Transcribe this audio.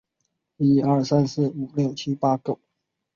包括任命和解任内政管和外交官的选项。